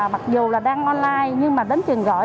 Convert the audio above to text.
mặc dù là đang online nhưng mà đến trường gọi